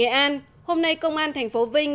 nghệ an hôm nay công an thành phố vinh